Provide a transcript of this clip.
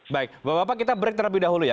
baik bapak bapak kita break terlebih dahulu ya